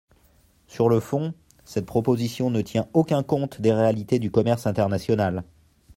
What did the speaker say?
Sur le fond, cette proposition ne tient aucun compte des réalités du commerce international.